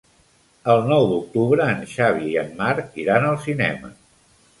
El nou d'octubre en Xavi i en Marc iran al cinema.